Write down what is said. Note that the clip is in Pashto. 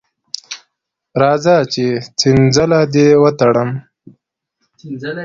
راځه چې څنځله دې وتړم.